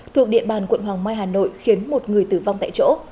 thuộc địa bàn quận hoàng mai hà nội khiến một người tử vong tại chỗ